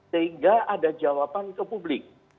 sehingga ada jawaban ke publik